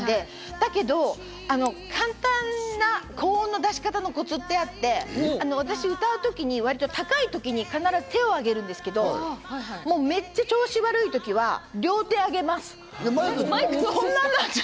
だけど簡単な高音の出し方のコツってあって、私、歌う時に割と高い時に必ず手を上げるんですけど、めっちゃ調子悪い時は両手を上げます。